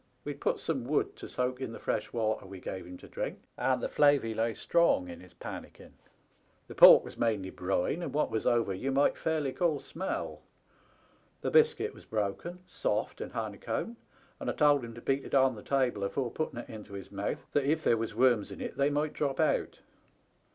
We'd put some wood to soak in the fresh water we gave him to drink, and the flavey lay strong in his pannikin. The pork was mainly brine, and what was over ye might fairly call smell. The biscuit was broken, soft, and honeycombed, and I told him to beat it on the table afore putting it into his mouth, that if there was worms in it they might drop out.